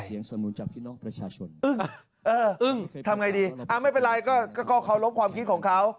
อึ้งอึ้งทำไงดีอ้าวไม่เป็นไรก็เคารพความคิดของเขา